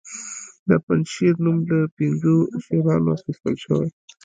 د پنجشیر نوم له پنځو شیرانو اخیستل شوی